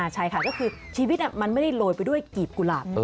ใช่ค่ะก็คือชีวิตมันไม่ได้โรยไปด้วยกีบกุหลาบ